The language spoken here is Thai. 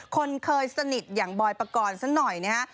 คนเคยสนิทอย่างบอยปกรณ์สักหน่อยนะฮะ